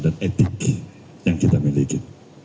dan etik yang kita miliki